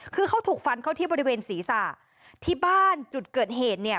คือเขาถูกฟันเข้าที่บริเวณศีรษะที่บ้านจุดเกิดเหตุเนี่ย